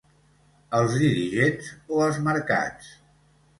Els dirigents o els mercats?